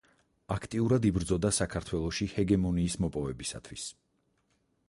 აქტიურად იბრძოდა საქართველოში ჰეგემონიის მოპოვებისათვის.